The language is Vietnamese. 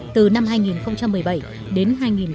từ năm hai nghìn một mươi bảy đến